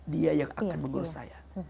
dia yang akan mengurus saya